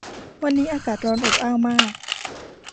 วันนี้อากาศร้อนอบอ้าวมาก